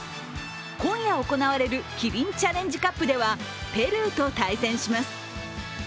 今夜行われるキリンチャレンジカップではペルーと対戦します。